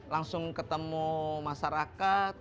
langsung ketemu masyarakat